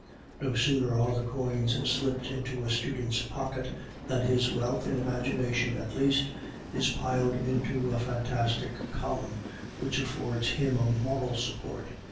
No sooner are the coins slipped into a student's pocket than his wealth, in imagination at least, is piled into a fantastic column, which affords him a moral support.